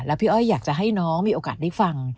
พี่อ้อยอยากจะให้น้องมีโอกาสได้ฟัง